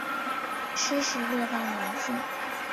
湿时略带黏性。